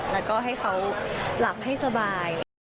แล้วก็ให้เขาหลับให้สบาย